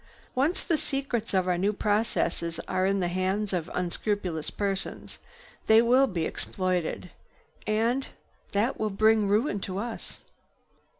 "Once the secrets of our new processes are in the hands of unscrupulous persons, they will be exploited. And that will bring ruin to us.